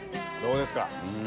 どうですか？